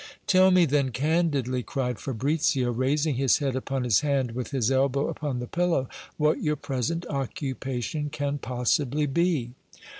Tell me then candidly, cried Fabricio, raising his head upon his hand with his elbow upon the pillow, what your present occupation can possibly be.